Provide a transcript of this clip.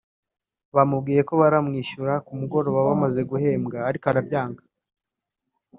bamubwiye ko baramwishyura ku mugoroba bamaze guhembwa ariko arabyanga